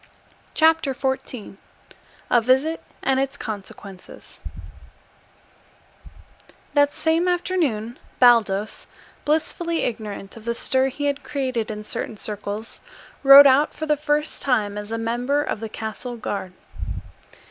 CHAPTER XIV A VISIT AND ITS CONSEQUENCES That same afternoon Baldos, blissfully ignorant of the stir he had created in certain circles, rode out for the first time as a member of the Castle Guard.